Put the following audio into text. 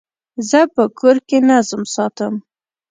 زه په کور کي نظم ساتم.